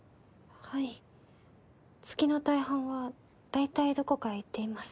はい月の大半は大体どこかへ行っています。